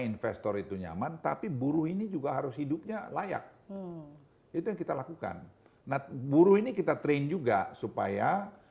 investor itu nyaman tapi buruh ini juga harus hidupnya layak itu yang kita lakukan nah buruh ini kita train juga supaya